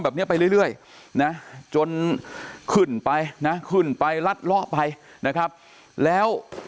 แบบนี้ไปเรื่อยนะจนขึ้นไปนะขึ้นไปรัดเลาะไปนะครับแล้ว